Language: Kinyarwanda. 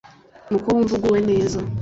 niko wumva uguwe neza